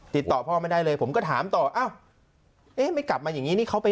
ติดต่อพ่อไม่ได้เลยผมก็ถามต่ออ้าวเอ๊ะไม่กลับมาอย่างนี้นี่เขาไป